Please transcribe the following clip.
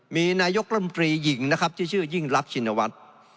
มีนายกรรมตรีหญิงนะครับที่ชื่อยิ่งรักชินวัฒน์